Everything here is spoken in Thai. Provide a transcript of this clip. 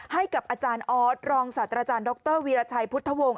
ให้กับอาจารย์ออสรองศาสตราจารย์ดรวีรชัยพุทธวงศ์